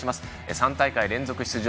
３大会連続出場。